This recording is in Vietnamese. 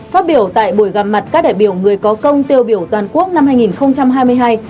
phát biểu tại buổi gặp mặt các đại biểu người có công tiêu biểu toàn quốc năm hai nghìn hai mươi hai